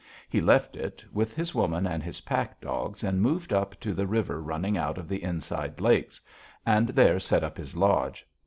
He left it, with his woman and his pack dogs, and moved up to the river running out of the Inside Lakes, and there set up his lodge.